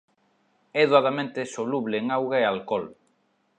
É doadamente soluble en auga e alcohol.